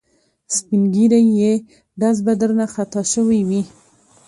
سپین ږیری یې ډز به درنه خطا شوی وي.